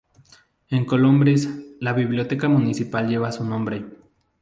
En Colombres, la biblioteca municipal lleva su nombre.